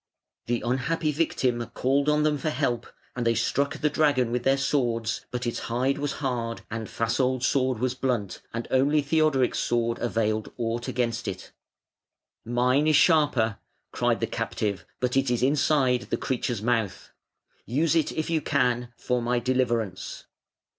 The unhappy victim called on them for help, and they struck the dragon with their swords, but its hide was hard, and Fasold's sword was blunt, and only Theodoric's sword availed aught against it, "Mine is sharper", cried the captive, but it is inside the creature's mouth. Use it, if you can, for my deliverance.